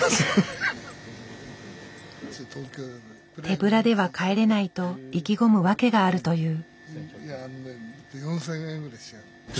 「手ぶらでは帰れない」と意気込む訳があるという。